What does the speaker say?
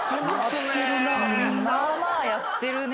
まあまあやってるね。